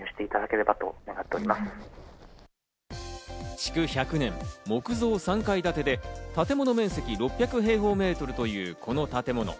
築１００年、木造３階建てで、建物面積およそ６００平方メートルというこの建物。